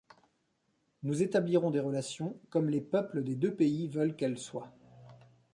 Nous établirons des relations, comme les peuples des deux pays veulent qu'elles soient.